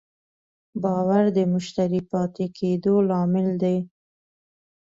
باور د مشتری پاتې کېدو لامل دی.